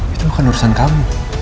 itu bukan urusan kamu